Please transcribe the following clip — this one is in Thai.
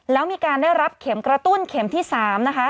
แล้วมีการได้รับเข็มกระตุ้นเข็มที่๓นะคะ